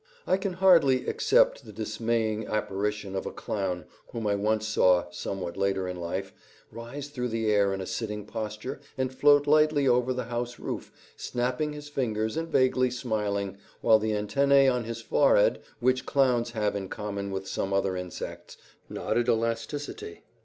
I can hardly except the dismaying apparition of a clown whom I once saw, somewhat later in life, rise through the air in a sitting posture and float lightly over the house roof, snapping his fingers and vaguely smiling, while the antennæ on his forehead, which clowns have in common with some other insects, nodded elasticity.